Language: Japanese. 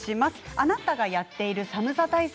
あなたがやっている寒さ対策